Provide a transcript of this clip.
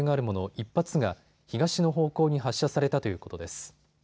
１発が東の方向に発射されたということです。